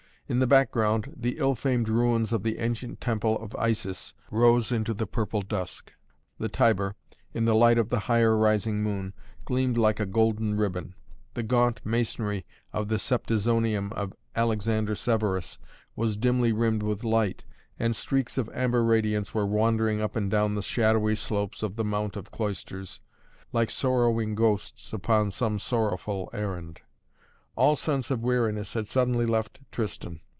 In the background the ill famed ruins of the ancient temple of Isis rose into the purple dusk. The Tiber, in the light of the higher rising moon, gleamed like a golden ribbon. The gaunt masonry of the Septizonium of Alexander Severus was dimly rimmed with light, and streaks of amber radiance were wandering up and down the shadowy slopes of the Mount of Cloisters, like sorrowing ghosts bound upon some sorrowful errand. All sense of weariness had suddenly left Tristan.